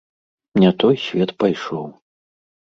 Не той свет пайшоў.